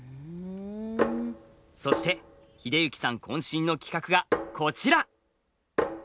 そして秀幸さん渾身の企画がこちら！